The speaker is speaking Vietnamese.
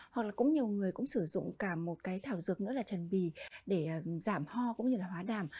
hoặc là cũng nhiều người cũng sử dụng cả một cái thảo dược nữa là trần bì để giảm ho cũng như là hóa đàm